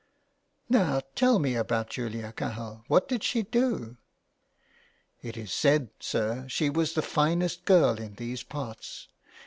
'* Now, tell me about Julia Cahill ; what did she do?" '' It is said, sir, she was the finest girl in these parts.